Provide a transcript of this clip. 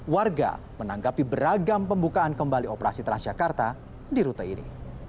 warga menanggapi beragam pembukaan kembali operasi transjakarta di rute ini